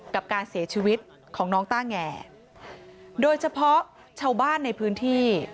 กับการเสียชีวิตของน้องต้าแงโดยเฉพาะชาวบ้านในพื้นที่